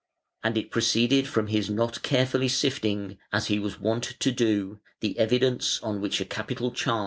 And it proceeded from his not carefully sifting, as he was wont to do, the evidence on which a capital charge was grounded".